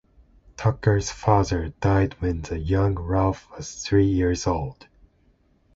Tucker's father died when the young Ralph was three years old.